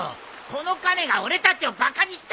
このカメが俺たちをバカにしたんだ。